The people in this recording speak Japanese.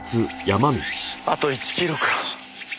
あと１キロか。